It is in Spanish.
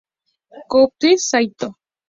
Koki Saito